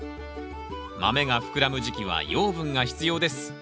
豆が膨らむ時期は養分が必要です。